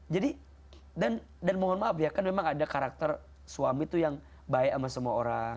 jadi dan mohon maaf ya kan memang ada karakter suami itu yang baik sama semua orang